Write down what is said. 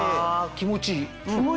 気持ちいい。